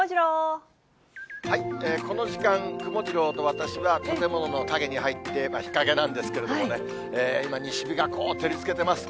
この時間、くもジローと私は、建物の陰に入って、日陰なんですけれどもね、今、西日がこう、照りつけてます。